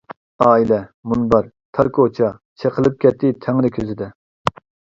ئائىلە، مۇنبەر، تار كوچا، چېقىلىپ كەتتى تەڭرى كۆزىدە.